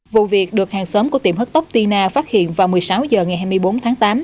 vụ việc được hàng xóm của tiệm hớt tốc tina phát hiện vào một mươi sáu h ngày hai mươi bốn tháng tám